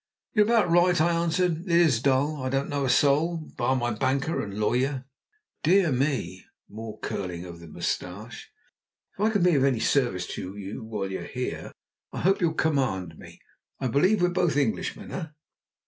"You're about right," I answered. "It is dull! I don't know a soul, bar my banker and lawyer." "Dear me!" (more curling of the moustache). "If I can be of any service to you while you're here, I hope you'll command me. I believe we're both Englishmen, eh?"